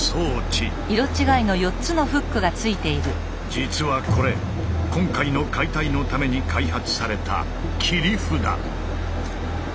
実はこれ今回の解体のために開発された「切り札」。